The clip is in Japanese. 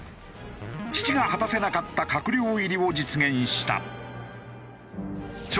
父が果たせなかった閣僚入りを実現した。